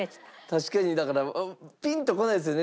確かにだからピンとこないですよね。